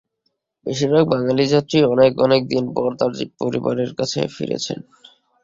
বেশিরভাগ বাঙালি যাত্রী অনেক অনেক দিন পরে তাঁর পরিবারের কাছে ফিরছেন।